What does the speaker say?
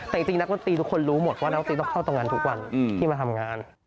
แต่จริงนักดนตรีทุกคนรู้หมดว่านักตีต้องเข้าตรงงานทุกวันที่มาทำงาน